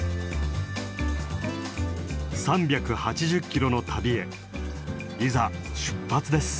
３８０キロの旅へいざ出発です！